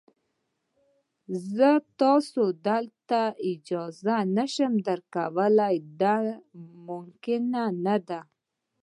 زه تاسي ته دلته اجازه نه شم درکولای، دا ممکنه نه ده.